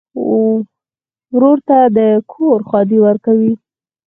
ورور ته د کور ښادي ورکوې.